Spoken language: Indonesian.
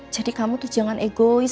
jadi kamu tuh jangan egois